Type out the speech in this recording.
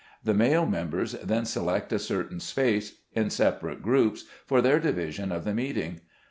The male members then select a certain space, in separate groups, for their division of the meeting.